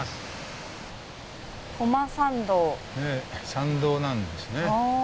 参道なんですね。